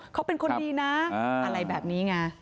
เขาเป็นคนดีนะอะไรแบบนี้ไง